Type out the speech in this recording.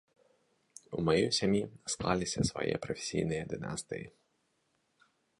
У маёй сям'і склаліся свае прафесійныя дынастыі.